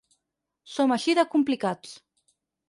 Som així de complicats.